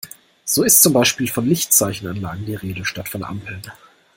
So ist zum Beispiel von Lichtzeichenanlagen die Rede, statt von Ampeln.